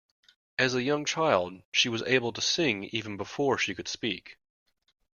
As a young child she was able to sing even before she could speak